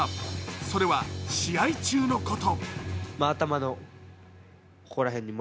それは、試合中のこと。